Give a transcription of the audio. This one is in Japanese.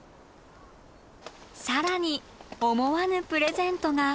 更に思わぬプレゼントが。